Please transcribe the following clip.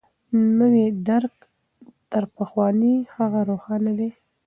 نوی درک تر پخواني هغه روښانه دی.